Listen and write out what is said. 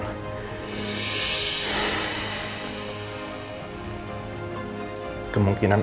salah satu ku catat